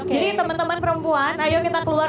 jadi teman teman perempuan ayo kita keluar